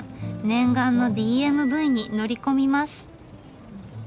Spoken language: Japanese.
念願のＤＭＶに乗り込みます。